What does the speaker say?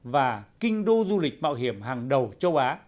và kinh đô du lịch mạo hiểm hàng đầu châu á